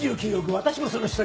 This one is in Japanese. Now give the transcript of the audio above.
私もその一人。